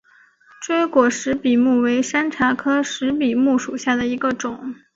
锥果石笔木为山茶科石笔木属下的一个种。